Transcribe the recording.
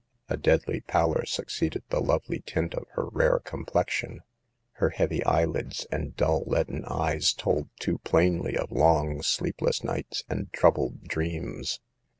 A deadly pallor succeeded the lovely tint of her rare complexion ; her heavy eyelids and dull, leaden eyes, told too plainly of long, sleepless nights, and troubled dreams.